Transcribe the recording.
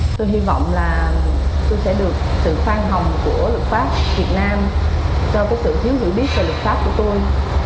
tôi hy vọng là tôi sẽ được sự khoan hồng của luật pháp việt nam cho sự thiếu hiểu biết về luật pháp của tôi